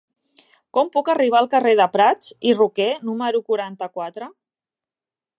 Com puc arribar al carrer de Prats i Roquer número quaranta-quatre?